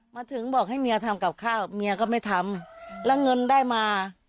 มาถึงบอกให้เมียทำกับข้าวเมียก็ไม่ทำแล้วเงินได้มา